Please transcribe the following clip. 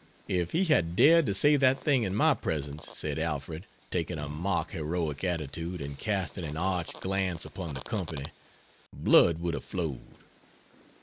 "If he had dared to say that thing in my presence," said Alfred, "taking a mock heroic attitude, and casting an arch glance upon the company, blood would have flowed."